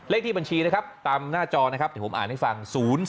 เลขที่บัญชีนะครับตามหน้าจอผมอ่านให้ฟัง